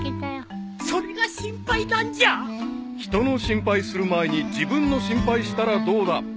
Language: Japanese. ［人の心配する前に自分の心配したらどうだ］